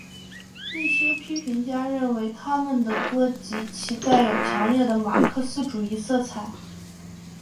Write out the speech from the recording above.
一些批评家认为他们的歌其带有强烈的马克思主义色彩。